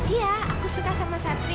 iya aku suka sama santri